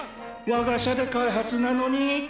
我が社で開発なのに。